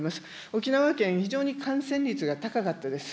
沖縄県、非常に感染率が高かったです。